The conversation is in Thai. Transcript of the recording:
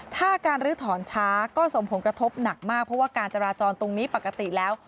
ถ้าการลื้อถอนช้าก็สมผงกระทบหนักมากเพราะว่าการจราจรตรงนี้ปกติแล้ว